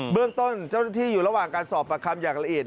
เรื่องต้นเจ้าหน้าที่อยู่ระหว่างการสอบประคำอย่างละเอียด